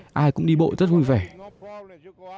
mọi người đều thân thiện mọi người đều thân thiện